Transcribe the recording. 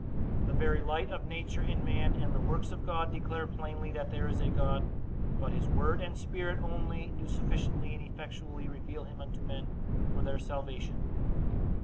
The very light of nature in man, and the works of God, declare plainly that there is a God; but his word and Spirit only do sufficiently and effectually reveal him unto men for their salvation.